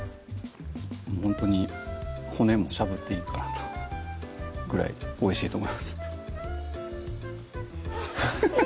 ほんとに骨もしゃぶっていいかなとぐらいおいしいと思います